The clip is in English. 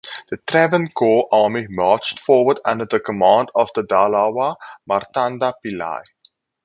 The Travancore army marched forward under the command of the Dalawa Martanda Pillai.